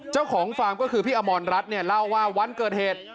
เจ้าของฟาร์มก็คือพี่อำมรรดร์รัฐเนี่ยเล่าว่าวันเกิดเหตุ